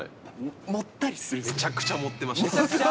めちゃくちゃ盛ってました。